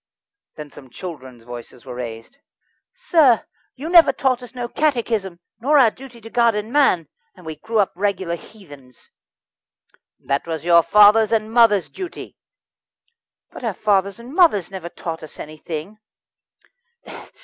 Then some children's voices were raised: "Sir, you never taught us no Catechism, nor our duty to God and to man, and we grew up regular heathens." "That was your fathers' and mothers' duty." "But our fathers and mothers never taught us anything."